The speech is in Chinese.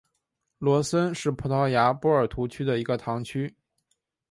罗森是葡萄牙波尔图区的一个堂区。